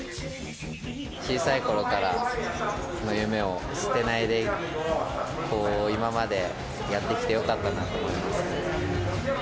小さいころからの夢を捨てないで今までやってきてよかったなと思います。